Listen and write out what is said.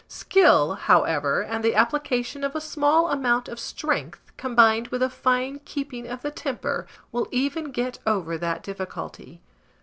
Skill, however, and the application of a small amount of strength, combined with a fine keeping of the temper, will even get over that difficulty.